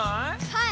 はい。